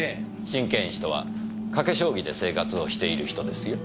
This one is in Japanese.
真剣師とは賭け将棋で生活をしている人ですよ。